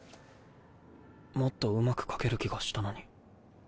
もっとうまく描ける気がしたのに。